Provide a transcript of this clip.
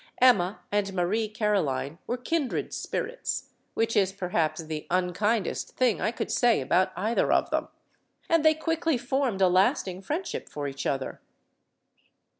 Emma and Marie Caroline were kindred spirits vj&cfe is perhaps LADY HAMILTON 261 the unkindest thing I could say about either of them and they quickly formed a lasting friendship for each other.